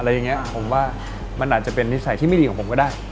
อย่างนี้ผมว่ามันอาจจะเป็นนิสัยที่ไม่ดีของผมก็ได้